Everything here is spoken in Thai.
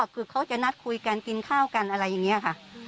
คือเขาจะนัดคุยกันกินข้าวกันอะไรอย่างนี้ค่ะ